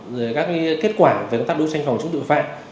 rồi các kết quả về công tác đấu tranh phòng chống tội phạm